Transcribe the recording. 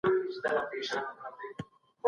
که خدای وغواړي نو محاسبه به وکړي.